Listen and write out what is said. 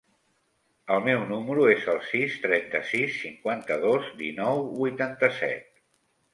El meu número es el sis, trenta-sis, cinquanta-dos, dinou, vuitanta-set.